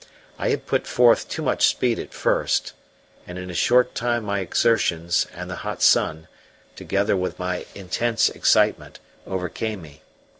I had put forth too much speed at first, and in a short time my exertions, and the hot sun, together with my intense excitement, overcame me.